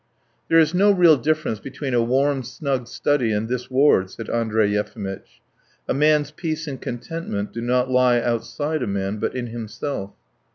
"There is no real difference between a warm, snug study and this ward," said Andrey Yefimitch. "A man's peace and contentment do not lie outside a man, but in himself."